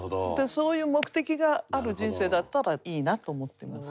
そういう目的がある人生だったらいいなと思ってます。